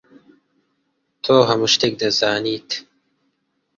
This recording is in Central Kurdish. تۆ هەموو شتێک دەزانیت.